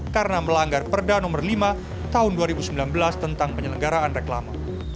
karena melanggar perda no lima tahun dua ribu sembilan belas tentang penyelenggaraan reklama